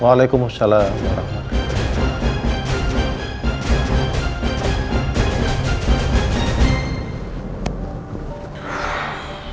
waalaikumsalam warahmatullahi wabarakatuh